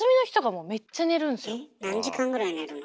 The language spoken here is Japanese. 何時間ぐらい寝るの？